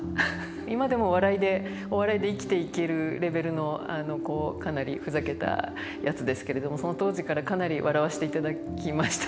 今でも笑いでお笑いで生きていけるレベルのかなりふざけたやつですけれどもその当時からかなり笑わせていただきました。